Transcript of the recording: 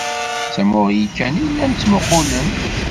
D tamuɣli kan ay llan ttmuqqulen.